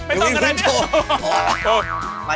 สวัสดีครับ